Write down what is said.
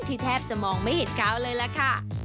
แทบจะมองไม่เห็นกาวเลยล่ะค่ะ